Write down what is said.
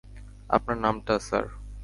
আপনার নামটা, স্যার?